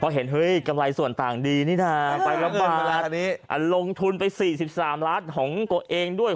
เพราะเห็นเฮ้ยกำไรส่วนต่างดีนี่น่ะเออลงทุนไปสี่สิบสามล้านของตัวเองด้วย